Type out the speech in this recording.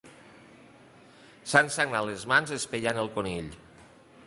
S'ha ensagnat les mans espellant el conill.